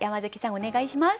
お願いします。